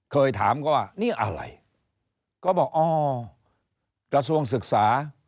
เคยถามเขาว่านี่อะไรก็บอกอ๋อกระทรวงศึกษา